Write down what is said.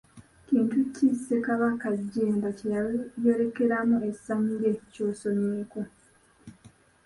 Kintu ki Ssekabaka Jjemba kye yayolekeramu essanyu lye ky' osomyeko?